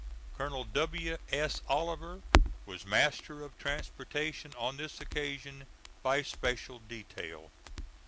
Colonel W. S. Oliver was master of transportation on this occasion by special detail.